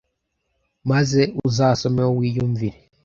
maze uzasomeho wiyumvire”